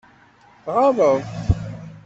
Tɣaḍeḍ-t?